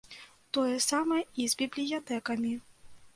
Тое самае і з бібліятэкамі.